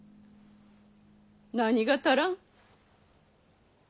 何が足らん？